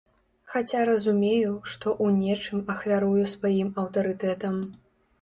Хаця разумею, што ў нечым ахвярую сваім аўтарытэтам.